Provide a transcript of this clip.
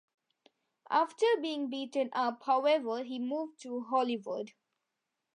After being beaten up, however, he moved to Hollywood.